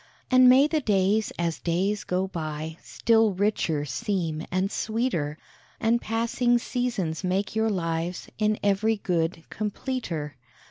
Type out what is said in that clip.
And may the days as days go by, Still richer seem and sweeter, And passing seasons make your lives In every good completer.